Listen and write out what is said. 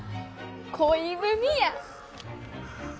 恋文や！